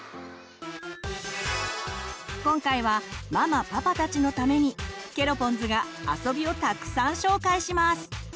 今回はママパパたちのためにケロポンズが遊びをたくさん紹介します！